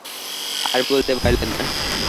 আর বলিতে পারিলেন না।